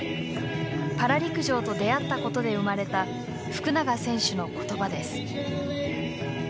パラ陸上と出会ったことで生まれた福永選手の言葉です。